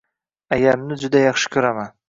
Ayamni juda yaxshi koʻraman